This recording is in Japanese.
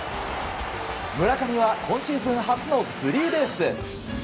村上は今シーズン初のスリーベース。